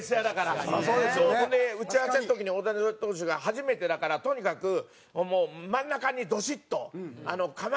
それで打ち合わせの時に大谷投手が初めてだからとにかく真ん中にドシッと構えてくれと。